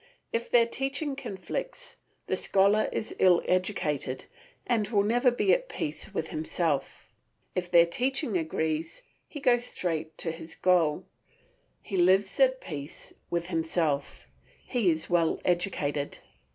If their teaching conflicts, the scholar is ill educated and will never be at peace with himself; if their teaching agrees, he goes straight to his goal, he lives at peace with himself, he is well educated.